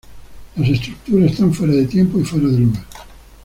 Las estructuras están fuera de tiempo y fuera de lugar.